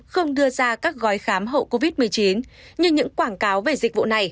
không đưa ra các gói khám hậu covid một mươi chín nhưng những quảng cáo về dịch vụ này